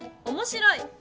「おもしろい」